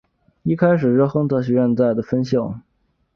一开始是亨特学院在的分校。